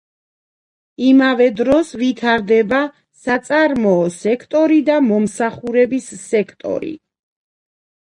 იმავე დროს ვითარდება საწარმოო სექტორი და მომსახურების სექტორი.